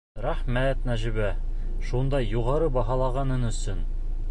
Рәхмәт, Нәжибә, шундай юғары баһалағаның өсөн.